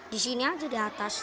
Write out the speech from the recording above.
di sini aja di atas